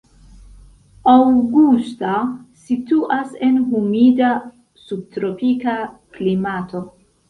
Augusta situas en humida subtropika klimato.